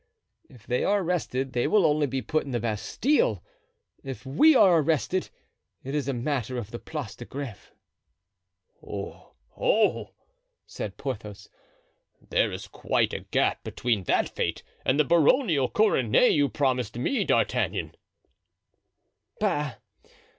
If they are arrested they will only be put in the Bastile; if we are arrested it is a matter of the Place de Greve." "Oh! oh!" said Porthos, "there is quite a gap between that fate and the baronial coronet you promised me, D'Artagnan." "Bah!